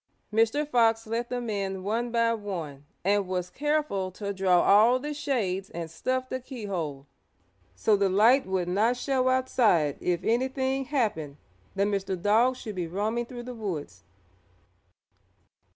Mr. Fox let them in one by one and was careful to draw all the shades and stuff the keyhole so the light would not show outside if anything happened that Mr. Dog should be roaming through the woods.